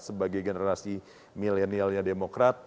sebagai generasi milenialnya demokrat